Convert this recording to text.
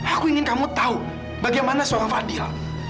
aku ingin kamu tahu bagaimana suara fadil